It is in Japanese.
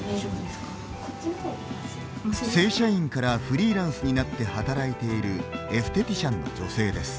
正社員からフリーランスになって働いているエステティシャンの女性です。